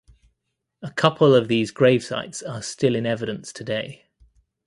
A couple of these gravesites are still in evidence today.